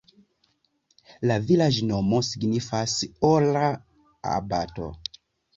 La vilaĝnomo signifas: ora-abato.